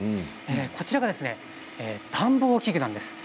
こちらは暖房器具なんです。